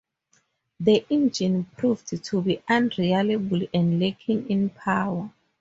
The engine proved to be unreliable and lacking in power.